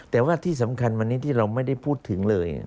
แต่ว่าที่สำคัญวันนี้ที่เราไม่ได้พูดถึงเลย